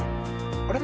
あれ？